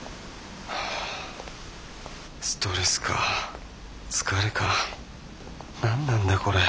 ストレスか疲れか何なんだこれ。